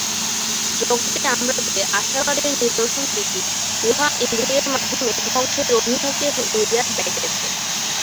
জগতে আমরা যে আশাবাদের নিদর্শন দেখি, উহা ইন্দ্রিয়ের মাধ্যমে ধ্বংসের অভিমুখে লইয়া যাইতেছে।